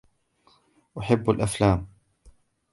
أحب الأفلام.